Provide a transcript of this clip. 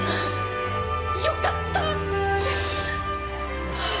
よかった！